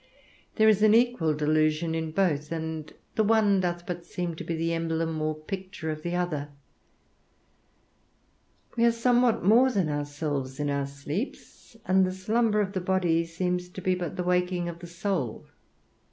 There is an equal delusion in both, and the one doth but seem to be the emblem or picture of the other; we are somewhat more than ourselves in our sleeps, and the slumber of the body seems to be but the waking of the soul.